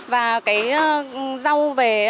và cái rau về